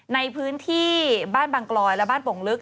ในพื้นที่บ้านบางกลอยและบ้านโป่งลึก